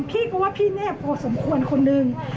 พี่ก็ว่าพี่แนบพอสมควรคนหนึ่ง